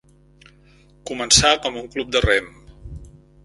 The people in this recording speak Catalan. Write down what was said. Començà com un club de rem.